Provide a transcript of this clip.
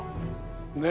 ねえ。